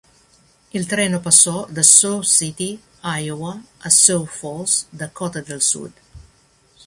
Il treno passò da Sioux City, Iowa, a Sioux Falls, Dakota del Sud.